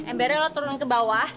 embernya lo turun ke bawah